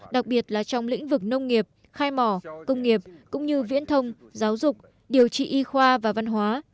đặc biệt là trong lĩnh vực nông nghiệp khai mỏ công nghiệp cũng như viễn thông giáo dục điều trị y khoa và văn hóa